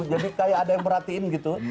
jadi kayak ada yang merhatiin gitu